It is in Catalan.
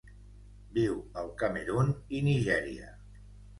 Viu al Camerun i Nigèria.